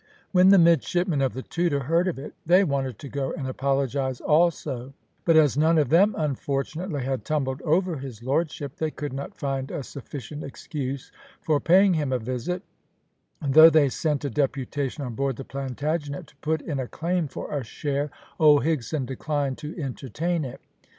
When the midshipmen of the Tudor heard of it they wanted to go and apologise also, but as none of them unfortunately had tumbled over his lordship, they could not find a sufficient excuse for paying him a visit, and though they sent a deputation on board the Plantagenet to put in a claim for a share, old Higson declined to entertain it.